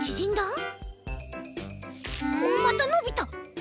おまたのびた。